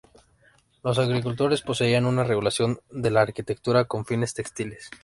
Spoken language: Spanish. Los agricultores poseían una regulación de la arquitectura con fines textiles.